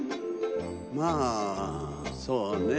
まあそうね。